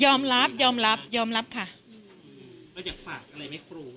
ยอมรับยอมรับยอมรับค่ะเราอยากฝากอะไรไหมครู